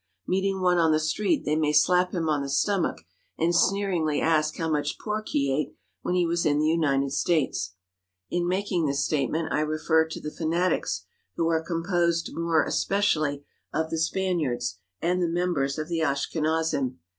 Meeting one on the street they may slap him on the stomach and sneeringly ask how much pork he ate when he was in the United States. In making this statement 1 refer to the fanatics who are composed more especially of the Spaniards and the members of the Ashkenazim.